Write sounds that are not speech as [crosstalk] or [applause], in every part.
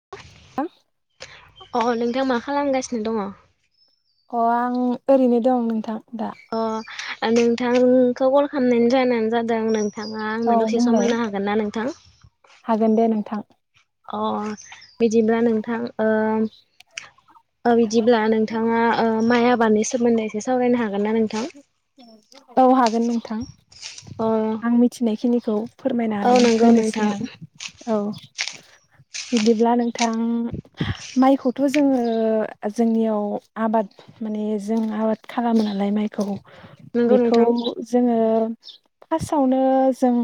[inaudible] अ नोंथां मा खालामगासिनो दङ? अ आं ओरैनो दं नोंथां। दा। अ नोंथांखौ कल खालामनायनि जाहोनानो जादों नों थाङा औ आंनो द'से सम बुंलाय। होनो हागोन ना नोंथां? हागोन दे नोंथां अ बिदिब्ला नोंथां ओ ओ बिदिब्ला नोंथाङा ओ माइ आबादनि सोमोन्दै एसे सावरायनो हा [unintelligible] औ हागोन नोंथां अ आं मिथिनायखिनिखौ औ फोरमायनानै नंगौ होनोसै नोंथां आं औ बिदिब्ला नों थां माइखौ थ' जोङो जोंनियाव आबाद माने जों आबाद खालामो नालाय माइखौ नंगौ बेखौ नोंथां जोङो फार्स्टआवनो जों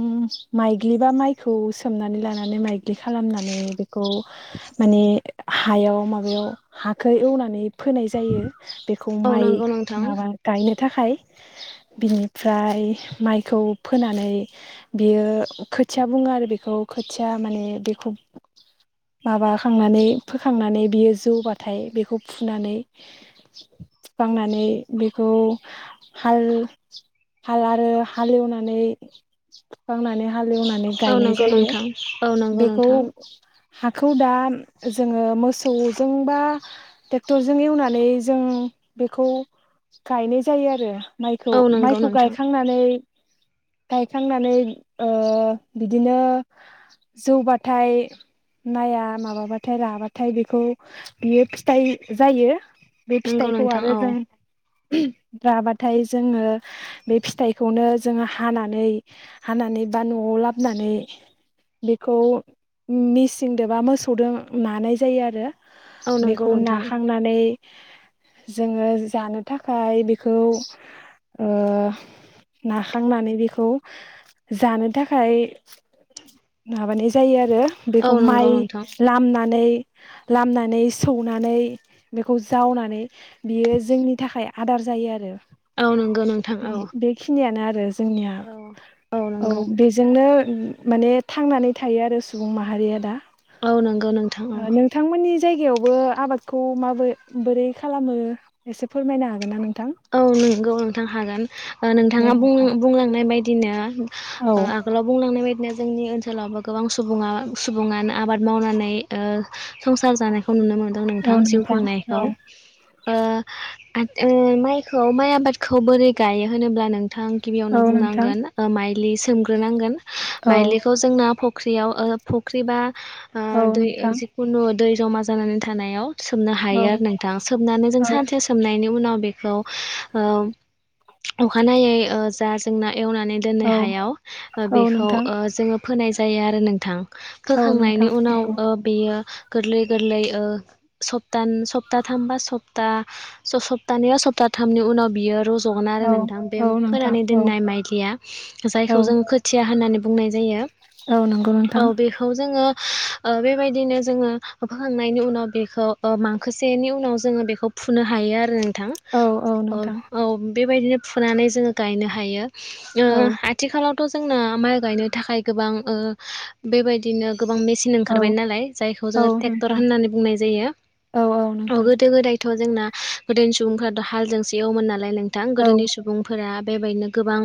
माइग्लिबा माइखौ सोमनानै लानानै माइग्लि खालाम नानै बेखौ माने हायाव माबायाव हाखौ एवनानै फोनाय जायो बेखौ औ माइ नंगौ नोंथां माबा गायनो थाखाय बिनिफ्राय माइखौ फोनानै बियो खोथिया बुङो आरो बेखौ खोथिया माने बेखौ माबाखांनानै फोखांनानै बियो जौबाथाय बेखौ फुनानै फुखांनानै बेखौ हाल हाल आरो हालेवनानै फुखांनानै हालेवनानै औ गायनाय नंगौ जायो। नोंथां औ नंगौ बेखौ नोंथां हाखौ दा जोङो मोसौजों बा ट्रेक्टरजों एवनानै जों बेखौ गायनाय जायो आरो औ नंगौ माइखौ-माइखौ नोंथां गायखांनानै गायखांनानै ओ बिदिनो जौबाथाय माया माबाबाथाय राबाथाय बेखौ बियो फिथाइ जायो। बे नंगौ फिथाइखौ नोंथां आरो औ जों राबाथाय जोङो बे फिथाइखौनो जोङो हानानै-हानानै बा न'आव लाबनानै बेखौ मिसिनदो बा मोसौदों नानाय जायो आरो। औ नंगौ बेखौ नोंथां नाखांनानै जोङो जानो थाखाय बेखौ ओ‌‌ नाखांनानै बेखौ जानो थाखाय नाबानाय जायो आरो औ बेखौ माइ नंगौ नोंथां लामनानै लामनानै सौनानै बेखौ जावनानै बियो जोंनि थाखाय आदार जायो आरो औ नंगौ नोंथां बे औ बेखिनियानो आरो जोंनिया औ औ बेजोंनो माने थांनानै थायो आरो सुबुं माहारिया दा । औ नंगौ नोंथां औ। जायगायावबो आबादखौ माबै बोरै खालामो एसे फोरमायनो हागोन ना नों औ नंगौ नोंथां हागोन दे नोंथाङा बुं नोंथां बुंलांनाय बायदिनो औ आगोलाव बुंलांनाय बायदि दिनो जोंनि ओनसोलावबो गोबां सुबुं सुबुङानो आबाद मावनानै ओ संसार जानाय खौ नुनो मोनदों नोंथां औ जिउ खुंनायखौ औ ओ‌ आं माइ खौ माइ आबादखौ बोरै गायो होनोब्ला नोंथां गिबियावनो औ नोंथां बुंनांगोन माइली सोमग्रोनांगोन औ माइलिखौ जोंना फख्रियाव ओ फख्रिबा ओ औ दै नोंथां जिखुनु दै जमा जानानै थानायाव सोमनो औ हायो आरो नोंथां सोमनानै जों औ सानसे सोमनायनि उनाव बेखौ ओ अखानायै ओ जा जोंना एवनानै दोननो औ हायाव औ बेखौ नोंथां ओ जोङो फोनाय जायो आरो नोंथां । औ होखांनायनि नोंथां उनाव नंगौ ओ बेयो। गोरलै गोरलै ओ स्तप्था सप्ताथामबा सप्ता सप्तानैआव सप्ता थामनि उनाव बियो रज जगोन आरो औ नोंथां बे औ नोंथां फोनानै औ दनाय माइलीया औ जायखौ जों खोथिया होन्नानै बुंनाय जायो औ नंगौ औ नोंथां बेखौ जोङो ओ बेबायदिनो जोङो फोखांनायनि उनाव बेखौ माखोसेनि उनाव जोङो बेखौ फुनो हायो आरो नोंथां औ औ नोंथां औ बेबायदिनो फुनानै जोङो गायनो हायो। ओ औ आथिखालावथ' जोंना माइ गायनो थाखाय गोबां ओ बेबायदिनो गोबां मेसिन औ ओंखारबाय नालाय जायखौ औ जोङो ट्रेक्टर नोंथां होननानै बुंनाय जायो। औ औ नोंथां गोदो गोदायथ' जोंना गोदोनि सुबुंफोराथ' हालजोंसो एवोमोन नालाय नोंथां औ गोदोनि सुबुंफोरा बेबायदिनो गोबां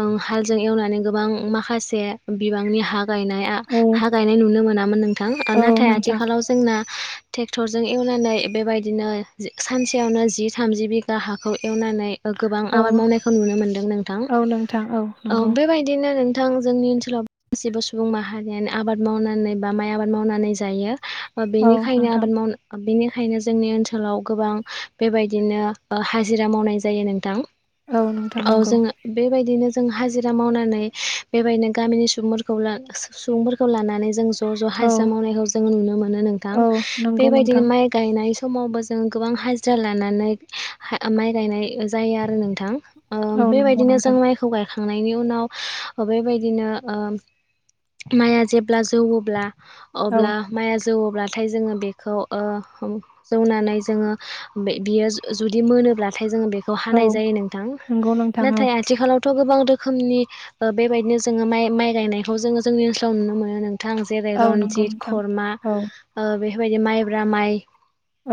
ओ हालजों एवनानै गोबां माखासे बिबांनि हा गायनाय औ हा गायनाय नुनो मोनामोन नोंथां औ नाथाय नोंथां आथिखालाव जोंना ट्रेक्टरजों एवनानै बेबायदिनो सानसेयावनो जि थामजि बिघा हाखौ एवनानै गोबां औ आबाद मावनायखौ नुनो मोनदों नोंथां औ नोंथां औ नंगौ बेबायदिनो नों थां जोंनि ओनसोलाव गासिबो सुबुं माहारियानो आबाद मावनानै बा माइ आबाद मावनानै जायो। औ बेनिखायनो नोंथां आबाद मावनो बेनिखायनो जोंनि ओनसोलाव गोबां बेबायदिनो हाजिरा मावनाय जायो नोंथां। औ नोंथां औ नंगौ जोङो बेबायदिनो जों हाजिरा मावनानै बेबायदिनो गामिनि सुबुंफोरखौ सुबुंफोरखौ लानानै जों ज' ज' औ हाजिरा मावनायखौ जों नुनो मोनो नोंथां औ नंगौ बेबायदिनो नोंथां माइ गायनाय समावबो जों गोबां हाजिरा लानानै माइ गायनाय जायो आरो नोंथां । औ ओ नंगौ बेबायदिनो जों नोंथां माइखौ गाय खांनायनि उनाव बेबायदिनो ओ माइआ जेब्ला जौवोल्बा औ अब्ला माइआ जोवोल्बाथाइ जोङो बेखौ ओ जौनानै जोङो बे बियो जुदि मोनोब्लाथाय जोङो बेखौ औ हानाय जायो नोंथां नंगौ नोंथां औ नाथाय आथिखालावथ' गोबां रोखोमनि ओ बेबायदिनो जोङो माइ माइ गायनायखौ जोङो जोंनि ओनसोलाव नुनो मोनो नों थां जेरै औ नंगौ रनजित, नोंथां खर्मा औ ओ बेफोरबायदि माइब्रा माइ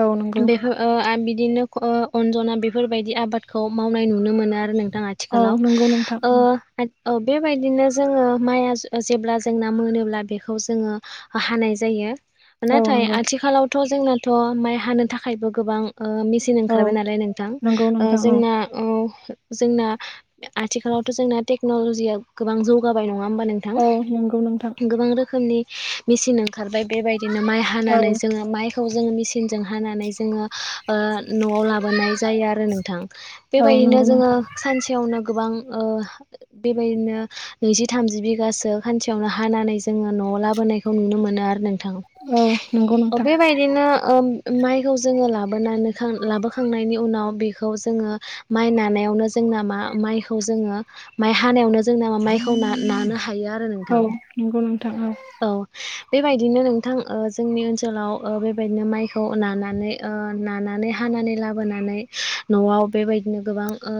औ नंगौ बेफो ओ आ बिदिनो ख' अनजना बेफोरबायदि आबादखौ मावनाय नुनो मोनो आरो नों थां औ आथिखालाव नंगौ नोंथां ओ ओ बेबायदिनो जोङो माइआ जेब्ला जोंना मोनोब्ला बेखौ जोङो हानाय जायो। औ नाथाय नंगौ आथिखालावथ' जोंनाथ' माइ हानो थाखायबो गोबां ओ मिसिन ओं खारबाय औ नालाय नोंथां नंगौ ओ नोंथां औ जोंना ओ जोंना आथिखालावथ' जोंना टेक्न'लजिया गोबां जौगाबाय नङा नङा होमबा नोंथां औ नंगौ नोंथां गोबां रोखोमनि मिसिन ओंखार खारबाय बेबायदिनो माइ औ हानानै जोङो माइखौ जोङो मिसिनजों हानानै जोङो ओ न'आव लाबोनाय जायो आरो नोंथां औ बेबायदिनो नंगौ जोङो नोंथां सानसेयावनो गोबां ओ बेबायदिनो नैजि थामजि बिगासो खानसेयावनो हानानै जोङो न'आव लाबो नायखौ नुनो मोनो आरो नों थां औ नंगौ अ नोंथां बेबायदिनो ओम माइखौ जोङो लाबोनानो खां लाबोखांनायनि उनाव बिखौ जोङो माइ नानायावनो जोंना मा माइखौ जोङो माइ हानायावनो जोंना माइखौ ना नानो हा हायो आरो औ नोंथां नंगौ नोंथां औ। बेबायदिनो नोंथां ओ जोंनि ओनसोलाव ओ बेबायदिनो माइखौ नानानै ओ नाना नानै हानानै लाबोनानै न'आव बेबायदिनो गोबां ओ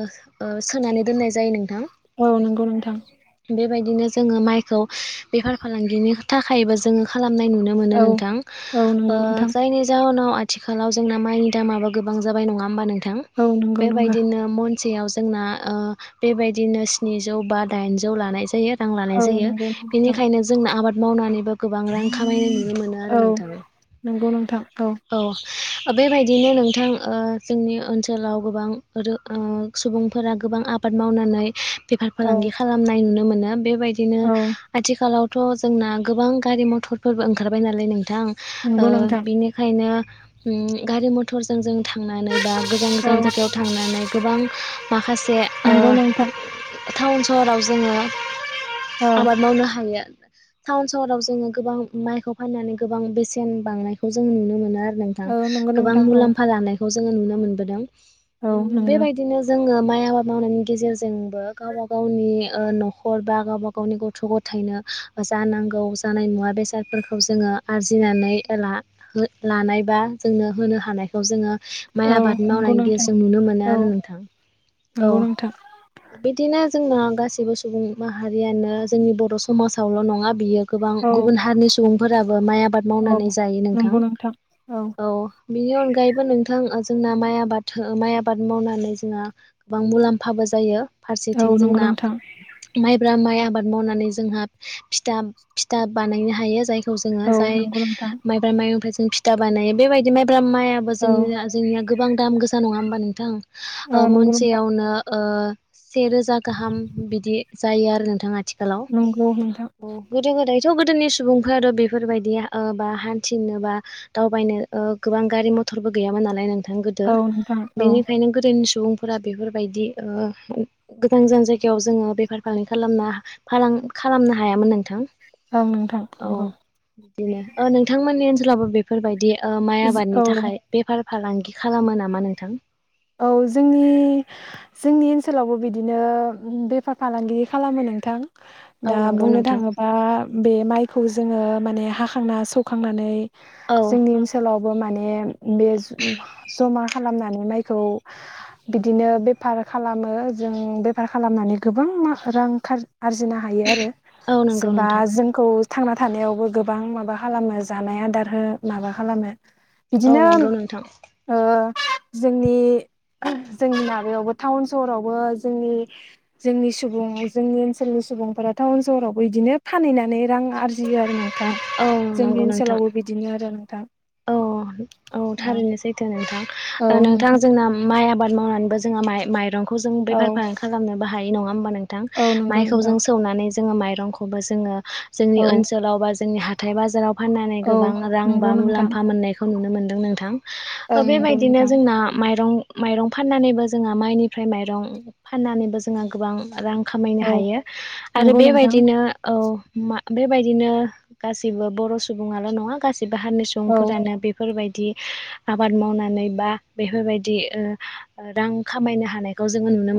ओ सोनानै दोननाय जायो नोंथां। औ नंगौ नोंथां बेबायदिनो जोङो माइखौ बेफार फालांगिनि थाखायबो जोङो खालाम नाय नुनो मोनो औ नोंथां औ ओ नंगौ नोंथां जायनि जाहोनाव आथिखालाव जोंना माइनि दामाबो गोबां जाबाय नङा होमबा नोंथां औ नंगौ नंगौ बेबायदिनो मन सेयाव जोंना ओ बेबायदिनो स्निजौ बा दाइनजौ लानाय जायो। रां लानाय औ जायो नंगौ नोंथां बिनिखायनो जोंना आबाद मावनानैबो गोबां रां खामायनो [unintelligible] औ नोंगौ नोंथां औ। ओ बेबायदिनो नोंथां ओ जोंनि ओनसोलाव गोबां रो ओ सुबुंफोरा गोबां आबाद मावनानै बेफार औ फालांगि खालामनाय नुनो मोनो बेबायदिनो औ आथिखालाव थ' जोंना गोबां गारि मथरफोरबो ओंखारबाय नालाय नोंथां ओ नंगौ नोंथां बिनिखायनो उम गारि मथरजों जों था थांनानै बा गोजान औ गोजान जायगायाव थांनानै गोबां माखासे ओ नंगौ नोंथां टाउन सहराव जोङो औ आबाद मावनो हायो टाउन सहराव जोङो गोबां माइखौ फाननानै गोबां बेसेन बांनायखौ जों नुनो मोनो आरो नोंथां औ नंगौ गोबां नोंथां औ मुलाम्फा लानायखौ जोङो नुनो मोनबोदों औ उ नंगौ बेबायदिनो जोङो माइ आबाद मावनायनि गेजेरजोंबो गावबाव गावनि ओ न'खर बा गावबा गावनि गथ' गथायनो ओ जानांगौ जानाय मुवा बेसाद फोरखौ जोङो आरजिनानै ला ओ लानाय बा जोंनो होनो हानायखौ जोङो माइ औ आबाद नंगौ मावनायनि नोंथां गेजेरजों नुनो मोनो औ आरो नोंथां औ। नंगौ नोंथां बिदिनो जोंना गाससिबो सुबुं माहारियानो जोंनि बर' समाजावल' नङा बियो गोबां औ गुबुन हारिनि सुबुंफोराबो माइ आ बाद औ मावनानै जायो नोंथां औ बिनि अनगायैबो नोंथां ओ जोंना माइ आबाद माइ आबाद मावनानै जोंहा गोबां मुलाम्फाबो जायो फारसे औ थिं नंगौ जोंना नोंथां माइब्रा माइ आबाद मावनानै जोंहा फिथा फिथा बानायनो हायो जाय खौ जोङो औ जाय नंगौ नोंथां माइब्रा माइनिफाय जों फिथा बानायो बेबायदि माइ बा माइाबो औ जोंनि जोंनिया गोबां दाम गोसा नङा होमबा नोंथां। ओ औ नंगौ नोंथां मनसेयावनो ओ सेेरोजा गाहाम बिदि जायो आरो नोंथां आथिखालाव नंगौ नोंथां गोदो गोदाय थ' गोदोनि सुबुंफोराथ' बेफोरबायदि ओ बा हान्थिनो बा दावबायनो ओ गोबां गारि म थरबो गैयामोन नालाय नों थां गोदो औ नोंथां औ बेनिखायनो गोदोनि सुबुंफोरा बेफोरबायदि ओ गोजान गोजान जायगायाव जोङो बेफार फालांगि खालामा फालां खालाम-खालामनो हायामोन नोंथां। नोंथां औ नंगौ बिदिनो ओ नोंथांमोननि ओनसोलावबो बेफोरबायदि ओ माइ आबादनि औ थाखाय बेफार फालांगि खालामो नामा नोंथां औ जोंनि जोंनि ओनसोलावबो बिदिनो बेफार फालांगिरि खालामो नोंथां। औ दा नंगौ बुंनो नोंथां। थाङोबा बे माइखौ जोङो माने हाखांना सौखांनानै औ जोंनि ओनसोलावबो माने बे ज जमा खालामनानै माइ खौ बिदिनो बेफार खालामो जों बेफार खालामनानै गोबां माख रां आरजिनो हायो आरो औ नंगौ जेबा नोंथां। जोंखौ थांना थानायावबो गोबां माबा खालामो जानाय आदार हो माबा खालामो औ बिदिनो नंगौ नोंथां। ओ जोंनि जोंनि माबायावबो टाउन सहरावबो जोंनि जोंनि सुबुं जोंनि ओनसोलनि सु सुबुंफोरा टाउन सहरावबो बिदिनो फानहैनानै रां आरजियो आरो ना थां औ जोंनि नंगौ नोंथां। ओनसोलावबो बिदिनो आरो नोंथां। औ औ थारैनो सैथो नोंथां नोंथां जोंना मा माइ आबाद मावनानैबो जोङो माइ-माइरंखौ जों बेफार औ फालां खालामनो हायो नङा होनोमबा नों थां औ नंगौ माइखौ जों नोंथां सौनानै जों माइबो जोङो जोंनि औ ओनोलाव बा जोंनि हाथाय बाजाराव फाननानै औ गोबां रां बा नंगौ मुलाम‌ नोंथां नाय नुनो मोनदों नोंथां। ओ ओं नंगौ बेबायदिनो नोंथां जोंना माइरं‌ ‌‌ माइरं फाननानैबो जोंहा माइनिफ्राय माइरं फाननानैबो जोंहा गोबां रां खामायनो औ हायो आरो नंगौ नोंथां बेबायदिनो औ‌ मा बेबायदिनो गासिबो बर' सुबुङाल' नङा गासिबो हारनि सु औ फोरानो बेफोरबायदि आबाद मावनानै बा बेफोरबायदि ओ ओ रां खामायनो हानाय।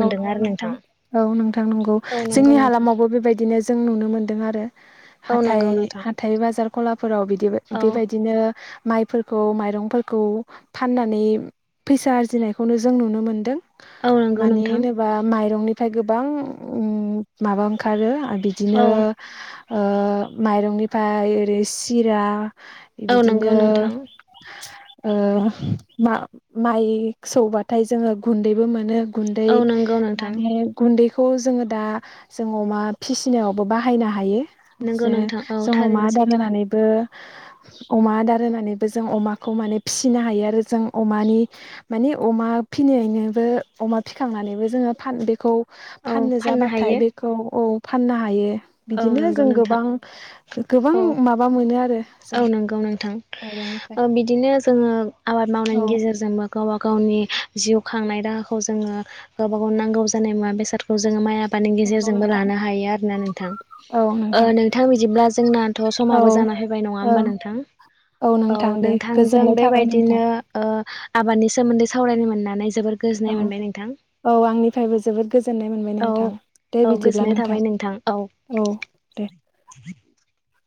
औ नंगौ नोंथां औ नोंथां नंगौ औ नंगौ जोंनि नोंथां हालामावबो बेबायदिनो जों नुनो मोनदों आरो। औ नंगौ हाथाइ नोंथां। हाथाइ बाजार गलाफोराव बिदि औ बेबायदिनो माइफोरखौ माइरंफोरखौ फाननानै। फैसा आरजिनायखौनो जों नुनो मोन्दों। औ नंगौ मानि नोंथां होनोबा माइरंनिफ्राय गोबां माबा ओंखारो‌ आ औ बिदिनो औ ओ माइरंनिफ्राय ओरै सिरा‌ नंगौ बिदिनो नोंथां ओ मा माइ सौबाथाय जोङो गुन्दैबो मोनो गुन्दै औ नंगौ नोंथां माने गुन्दै खौ जोङो दा जों अमा फिसिनायावबो बाहायनो हायो। नंगौ जे नोंथां औ जों अमा थारैनो आदार सैथो होनानैबो‌ [inaudible] अमा आदार होनानैबो जों अमाखौ माने फिसिनो हायो आरो जों अमानि माने अमा फिनैनोबो‌ अमा फिखांनानैबो जोङो फान बेखौ औ फाननो जाबाथाय हायो बेखौ औ फाननो हायो। औ बिदिनो नंगौ जों नोंथां गोबां गोबां औ माबा मोनो आरो जों औ नंगौ नोंथां माइरंनिफ्राय ओ बिदिनो जोङो आबाद मावनायनि औ गेजेरजोंबो गावबा गावनि जिउ खांनाय राहाखौ जोङो गावबा गाव नांगौ जानाय मुवा बेसादखौ जोङो माइ आ बादनि नंगौ गेजेरजोंबो नोंथां लानो हायो आरोना नोंथां। ओ नोंथां बिदिब्ला जोंनाथ' औ समाबो जाना हो बाय नङा औ होमबा नोंथां औ नोंथां दे नोंथांजों गोजोननाय थाबाय नोंथां बेबायदिनो ओ आबादनि सोमोन्दै सावरायनो मोननानै जोबोर गोजोननाय औ मोनबाय नोंथां। औ आंनिफ्रायबो जोबोद गोजोननाय मोनबाय औ नोंथां दे औ बिदिब्ला गोजोननाय नोंथां। थाबाय औ दे। [inaudible]